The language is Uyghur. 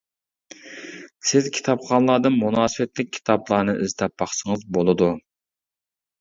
سىز كىتابخانىلاردىن مۇناسىۋەتلىك كىتابلارنى ئىزدەپ باقسىڭىز بولىدۇ.